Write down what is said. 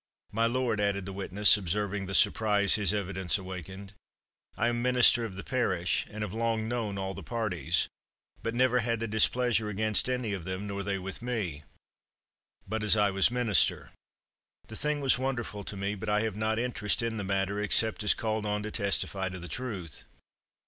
My lord,' added the witness, observing the surprise his evidence awakened, 'I am minister of the parish, and have long known all the parties, but never had displeasure against any of them, nor they with me, but as I was minister. The thing was wonderful to me, but I have not interest in the matter, except as called on to testify to the truth.